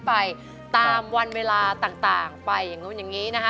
ไปตามวันเวลาต่างไปอย่างนู้นอย่างนี้นะคะ